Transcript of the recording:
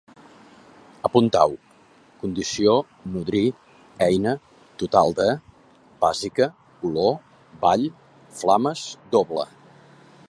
Apuntau: condició, nodrir, eina, total de, bàsica, olor, vall, flames, doble